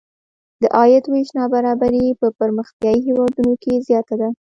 د عاید وېش نابرابري په پرمختیايي هېوادونو کې زیاته ده.